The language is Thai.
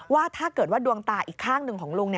ว่าถ้าเกิดว่าดวงตาอีกข้างหนึ่งของลุง